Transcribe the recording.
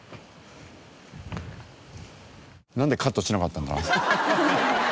なんでカットしなかったんだろう？